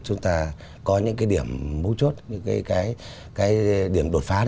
chúng ta có những cái điểm mấu chốt những cái điểm đột phá